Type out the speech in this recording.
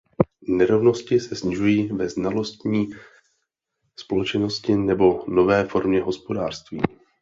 Nerovnosti se snižují ve znalostní společnosti nebo nové formě hospodářství.